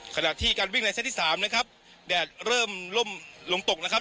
ขณะที่การวิ่งในเซตที่สามนะครับแดดเริ่มล่มลงตกนะครับ